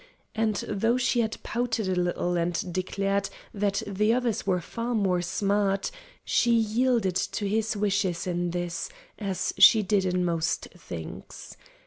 And though she had pouted a little and declared that the others were far more smart, she yielded to his wishes in this, as she did in most things.